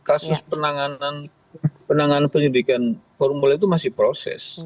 kasus penanganan penyelidikan formula e itu masih proses